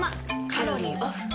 カロリーオフ。